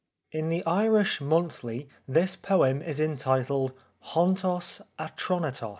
In The Irish Monthly this poem is entitled l\oVTO<; A.TpOV€TO?.